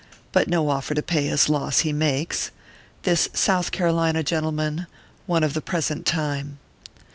But no offer to pay his loss he makes This South Carolina gentleman, One of the present time.